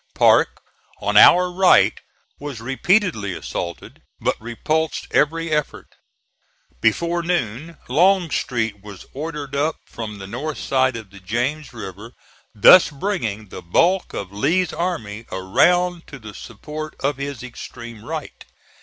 Parke on our right was repeatedly assaulted, but repulsed every effort. Before noon Longstreet was ordered up from the north side of the James River thus bringing the bulk of Lee's army around to the support of his extreme right.